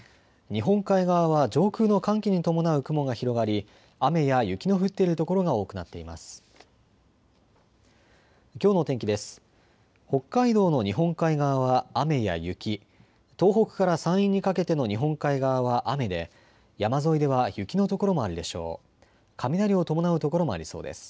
日本海側は上空の寒気に伴う雲が広がり雨や雪の降っている所が多くなっています。